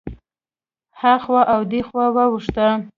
هخوا او دېخوا واوښته.